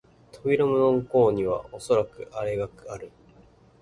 扉の向こうにはおそらくアレがある